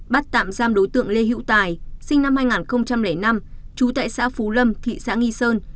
bắt tạm giam đối tượng lê hữu tài sinh năm hai nghìn năm trú tại xã phú lâm thị xã nghi sơn